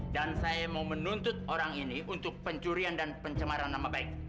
dan saya mau menuntut orang ini untuk pencurian dan pencemaran nama baik